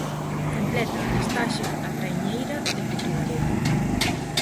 Completa a listaxe a traiñeira de Portugalete.